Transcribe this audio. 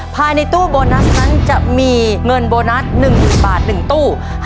ภายในตู้โบนัสนั้นจะมีเงินโบนัส๑๐๐๐บาท๑ตู้